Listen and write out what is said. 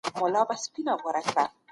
ټولنه د زده کړې اړتیا احساس کړې وه.